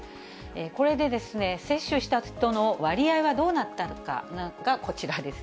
これで接種した人の割合はどうなったのかが、こちらです。